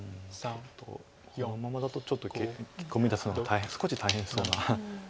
このままだとちょっとコミ出すのが少し大変そうな。